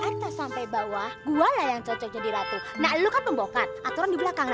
atas sampai bawah gua lah yang cocok jadi ratu nah lo kan membongkar aturan di belakang